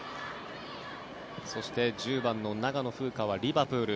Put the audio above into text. そして、１０番の長野風花はリバプール。